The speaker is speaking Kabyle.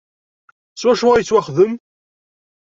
S wacu ay yettwaxdem?